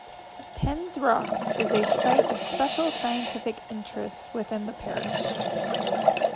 Penn's Rocks is a Site of Special Scientific Interest within the parish.